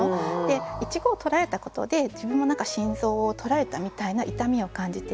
いちごを取られたことで自分も何か心臓を取られたみたいな痛みを感じてる。